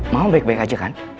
mau baik baik aja kan